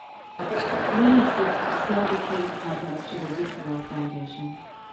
Lini seeks to sell the cave contents to the Wittwar Foundation.